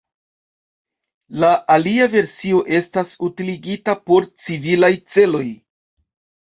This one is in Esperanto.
La alia versio estas utiligita por civilaj celoj.